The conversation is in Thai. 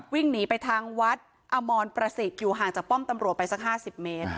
วิ่งหนีไปทางวัดอมรประสิทธิ์อยู่ห่างจากป้อมตำรวจไปสัก๕๐เมตร